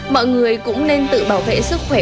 mọi người cũng nên tự bảo vệ sức khỏe